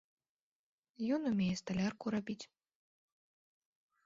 Ён умее сталярку рабіць.